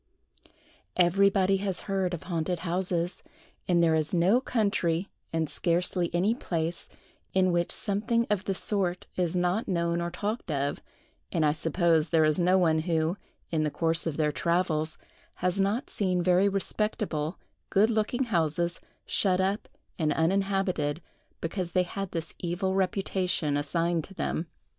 EVERYBODY has heard of haunted houses; and there is no country, and scarcely any place, in which something of the sort is not known or talked of; and I suppose there is no one who, in the course of their travels, has not seen very respectable, good looking houses shut up and uninhabited, because they had this evil reputation assigned to them.